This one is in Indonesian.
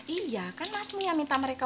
iya kan masmu yang minta mereka